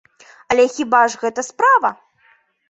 Але хіба ж гэта справа?